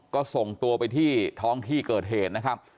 ก็ส่งตัวไปที่ท้องที่เกิดเหตุนะครับ